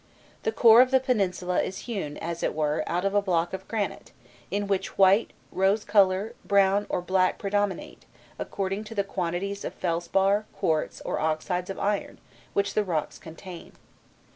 The core of the peninsula is hewn, as it were, out of a block of granite, in which white, rose colour, brown, or black predominate, according to the quantities of felspar, quartz, or oxides of iron which the rocks contain.